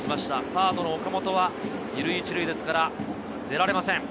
サードの岡本は２塁１塁ですから出られません。